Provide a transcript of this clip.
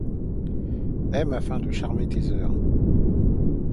Aime, afin de charmer tes heures !